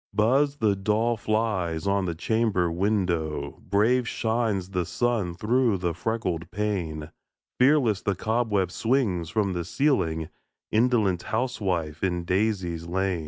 Buzz the dull flies on the chamber window; Brave shines the sun through the freckled pane; Fearless the cobweb swings from the ceiling Indolent housewife, in daisies lain!